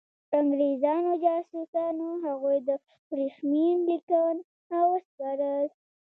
انګرېزانو جاسوسانو هغوی ته ورېښمین لیکونه وسپارل.